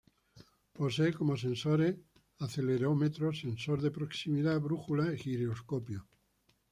Posee como sensores acelerómetro, sensor de proximidad, brújula y giroscopio.